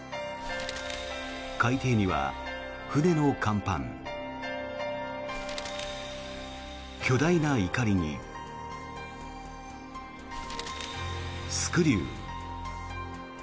海底には船の甲板巨大ないかりにスクリュー。